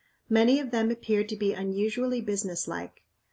Many of them appeared to be unusually businesslike.